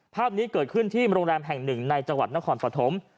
ภาพนี้เกิดขึ้นที่โรงแรมแห่งหนึ่งในจังหวัดนครปฐม